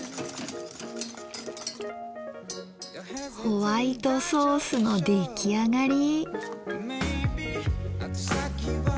ホワイトソースの出来上がり。